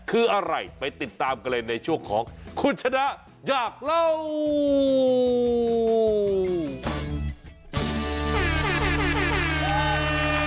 คืออะไรไปติดตามกันเลยในช่วงของคุณชนะอยากเล่า